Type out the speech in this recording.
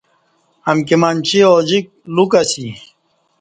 امکی منچی اوجیک لوکہ اسی